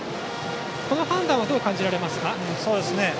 この判断はどう感じられますか。